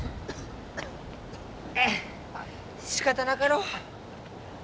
しかたなかろう。